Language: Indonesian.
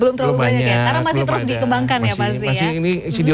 belum terlalu banyak ya karena masih terus dikembangkan ya pasti ya